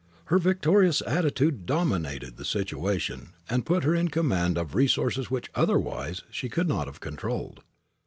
Her victorious attitude dominated the situation, and put her in command of resources which otherwise she could not have controlled.